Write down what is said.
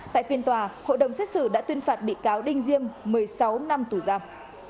tại phiên tòa hội đồng xét xử đã tuyên phạt bị cáo đinh diêm một mươi sáu năm tù giam